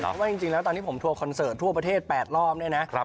เพราะว่าจริงแล้วตอนที่ผมทัวร์คอนเสิร์ตทั่วประเทศ๘รอบเนี่ยนะ